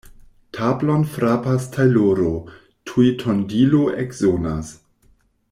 Tablon frapas tajloro, tuj tondilo eksonas.